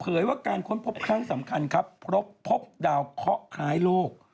ว่าการค้นพบครั้งสำคัญครับพบดาวเคาะคล้ายโลก